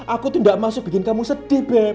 aku tuh ndak masuk bikin kamu sedih beb